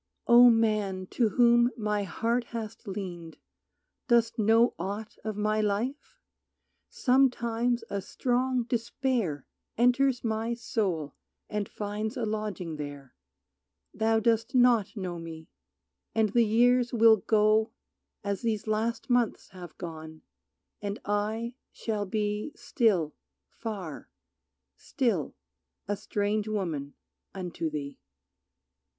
O Man to whom my heart hast leaned, dost know Aught of my life? Sometimes a strong despair Enters my soul and finds a lodging there; Thou dost not know me, and the years will go As these last months have gone, and I shall be Still far, still a strange woman unto thee.